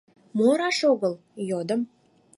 «Мо раш огыл?» — йодым.